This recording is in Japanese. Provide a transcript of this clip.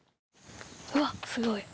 うわあすごい！